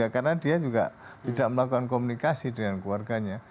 karena dia juga tidak melakukan komunikasi dengan keluarganya